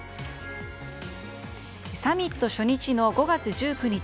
サミット初日の５月１９日。